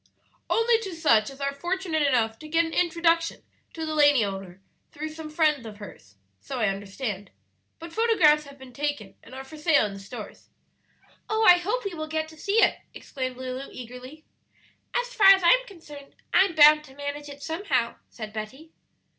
"Only to such as are fortunate enough to get an introduction to the lady owner through some friend of hers; so I understand; but photographs have been taken and are for sale in the stores." "Oh, I hope we will get to see it!" exclaimed Lulu eagerly. "As far as I'm concerned, I'm bound to manage it somehow," said Betty.